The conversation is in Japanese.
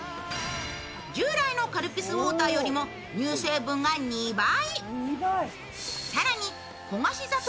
従来のカルピスウォーターよりも乳成分が２倍。